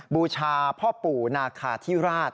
บูชาพ่อปู่นาคาธิราช